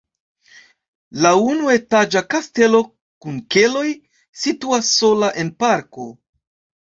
La unuetaĝa kastelo kun keloj situas sola en parko.